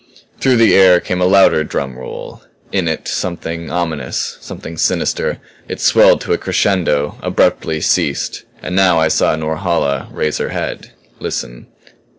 Through the air came a louder drum roll in it something ominous, something sinister. It swelled to a crescendo; abruptly ceased. And now I saw Norhala raise her head; listen.